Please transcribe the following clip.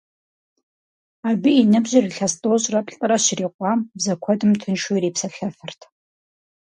Абы и ныбжьыр илъэс тӀощӀрэ плӀырэ щрикъуам, бзэ куэдым тыншу ирипсэлъэфырт.